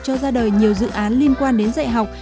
cho ra đời nhiều dự án liên quan đến dạy học